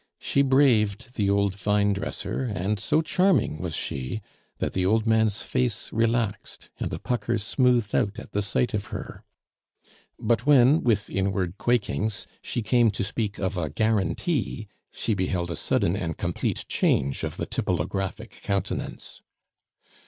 She braved the old vinedresser, and so charming was she, that the old man's face relaxed, and the puckers smoothed out at the sight of her; but when, with inward quakings, she came to speak of a guarantee, she beheld a sudden and complete change of the tippleographic countenance.